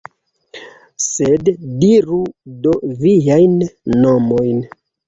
Sed diru do viajn nomojn!